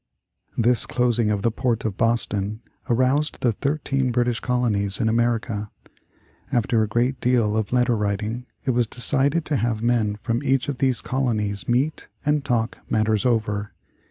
This closing of the port of Boston aroused the thirteen British colonies in America. After a great deal of letter writing it was decided to have men from each of these colonies meet and talk matters over.